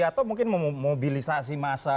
atau mungkin mobilisasi massa